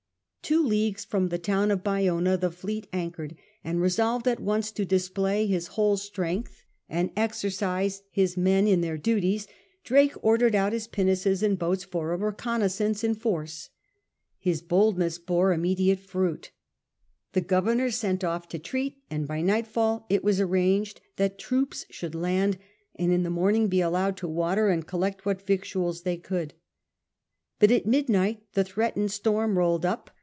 Two leagues from the town of Bayona the fleet anchored; and resolved at once to display his whole strength, and exercise his men in their duties, Drake ordered out his pinnaces and boats for a reconnaissance in force. His boldness bore immediate fruit The Governor sent off to treaty and by nightfall it was arranged that troops should land, and in the morning be allowed to water and collect what victuals they could. But at midnight the threatened storm rolled up.